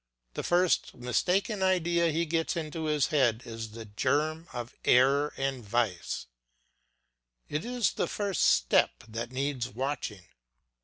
The first mistaken idea he gets into his head is the germ of error and vice; it is the first step that needs watching.